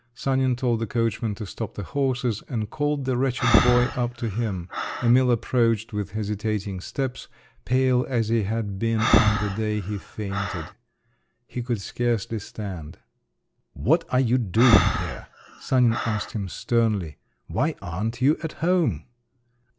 Sanin told the coachman to stop the horses, and called the "wretched boy" up to him. Emil approached with hesitating steps, pale as he had been on the day he fainted. He could scarcely stand. "What are you doing here?" Sanin asked him sternly. "Why aren't you at home?"